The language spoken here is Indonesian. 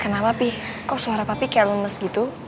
kenapa pi kok suara papi kayak lemes gitu